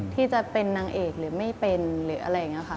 ที่จะเป็นนางเอกหรือไม่เป็นหรืออะไรอย่างนี้ค่ะ